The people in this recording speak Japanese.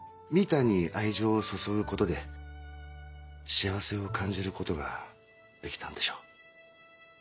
たんに愛情を注ぐことで幸せを感じることができたんでしょう。